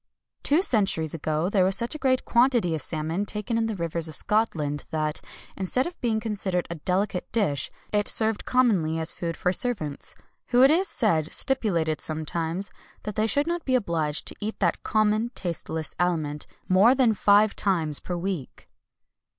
[XXI 174][L] Two centuries ago, there was such a great quantity of salmon taken in the rivers of Scotland, that, instead of being considered a delicate dish, it served commonly as food for servants, who it is said, stipulated sometimes, that they should not be obliged to eat that common, tasteless aliment more than five times per week.